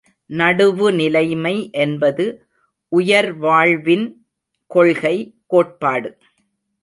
நடுவுநிலைமை என்பது உயர்வாழ்வின் கொள்கை, கோட்பாடு.